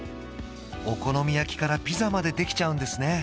お好み焼きからピザまでできちゃうんですね